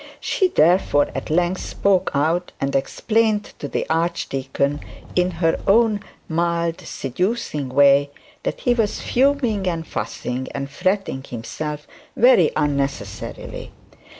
She, therefore, at length spoke out, and explained to the archdeacon in her own mild seducing way, that he was fuming and fussing and fretting himself very unnecessarily.